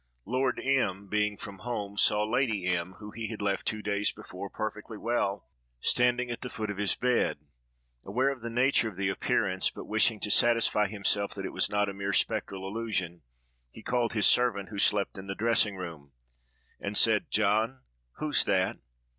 Lord M—— being from home, saw Lady M——, whom he had left two days before, perfectly well, standing at the foot of his bed; aware of the nature of the appearance, but wishing to satisfy himself that it was not a mere spectral illusion, he called his servant, who slept in the dressing room, and said, "John, who's that?"